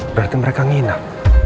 berarti mereka nginap